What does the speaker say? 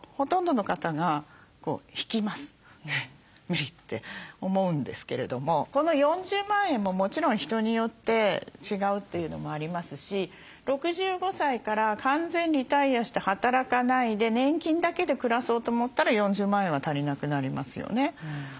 無理って思うんですけれどもこの４０万円ももちろん人によって違うというのもありますし６５歳から完全リタイアして働かないで年金だけで暮らそうと思ったら４０万円は足りなくなりますよね。